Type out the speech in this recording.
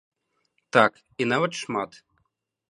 Так, і нават шмат.